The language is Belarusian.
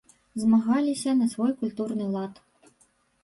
Змагаліся на свой культурны лад.